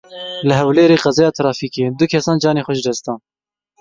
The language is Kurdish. Li Hewlêrê qezaya trafîkê du kesan canê xwe ji dest dan.